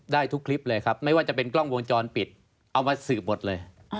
ได้ทุกคลิปเลยครับไม่ว่าจะเป็นกล้องวงจรปิดเอามาสืบหมดเลย